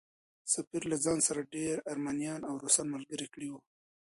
سفیر له ځان سره ډېر ارمنیان او روسان ملګري کړي وو.